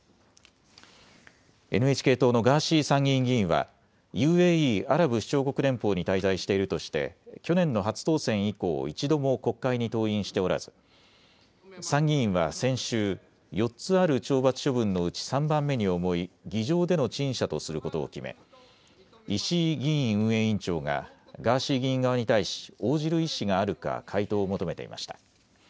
ＮＨＫ党のガーシー参議院議員はＵＡＥ・アラブ首長国連邦に滞在しているとして去年の初当選以降一度も国会に登院しておらず参議院は先週、４つある懲罰処分のうち３番目に重い議場での陳謝とすることを決め石井議院運営委員長がガーシー議員側に対し応じる意思があるか回答を求めていました。